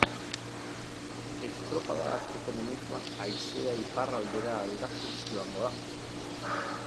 Estropada hasteko momentuan haizea iparraldera aldatuz joango da.